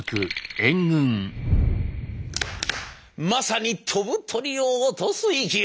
まさに飛ぶ鳥を落とす勢い。